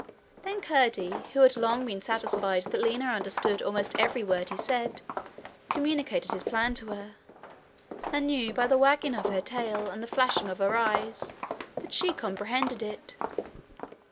Then Curdie, who had long been satisfied that Lina understood almost every word he said, communicated his plan to her, and knew by the wagging of her tail and the flashing of her eyes that she comprehended it.